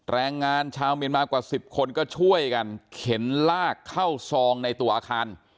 แรงงานชาวเมียนมากว่า๑๐คนก็ช่วยกันเข็นลากเข้าซองในตัวอาคาร